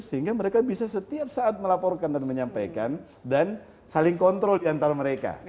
sehingga mereka bisa setiap saat melaporkan dan menyampaikan dan saling kontrol di antara mereka